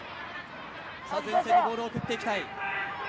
前線にボールを送っていきたい。